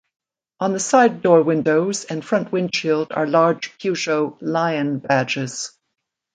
On the side door windows and front windshield are large Peugeot lion badges.